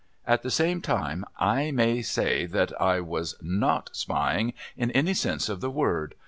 At the same time I may say that I was not spying in any sense of the word.